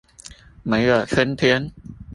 沒有春天